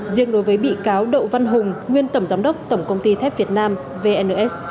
riêng đối với bị cáo đậu văn hùng nguyên tổng giám đốc tổng công ty thép việt nam vns